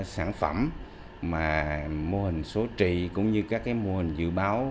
sản phẩm mà mô hình số trị cũng như các mô hình dự báo